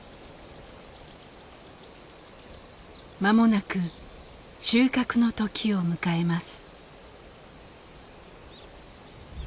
間もなく収穫の時を迎えます。